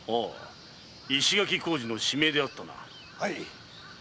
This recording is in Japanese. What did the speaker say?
石垣工事の指名であったな。